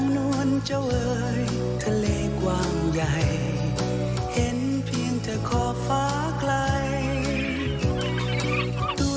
น้ำนวลเจ้าเอ๋ยทะเลกวางใหญ่เห็นเพียงเธอขอบฟ้าใกล้